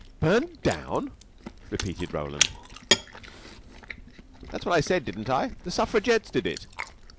"Burned down!" repeated Roland. "That's what I said, didn't I? The suffragettes did it.